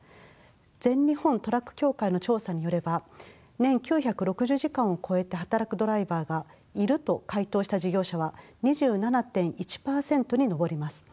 全日本トラック協会の調査によれば年９６０時間を超えて働くドライバーが「いる」と回答した事業者は２７．１％に上ります。